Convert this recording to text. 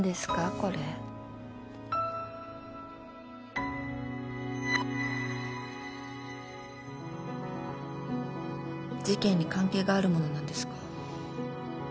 これ事件に関係があるものなんですか？